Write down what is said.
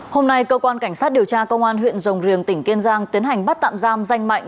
hôm nay cơ quan cảnh sát điều tra công an huyện rồng riềng tỉnh kiên giang tiến hành bắt tạm giam danh mạnh